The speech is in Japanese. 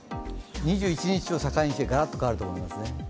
２１日を境にガラッと変わると思いますね。